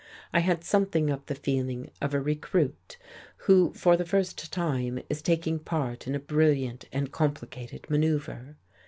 I had something of the feeling of a recruit who for the first time is taking part in a brilliant and complicated manoeuvre.